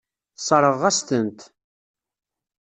Sseṛɣeɣ-as-tent.